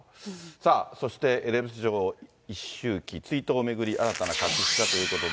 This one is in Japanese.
さあ、そしてエリザベス女王一周忌追悼を巡り新たな確執かということで。